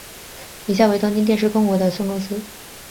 以下为东京电视控股的孙公司。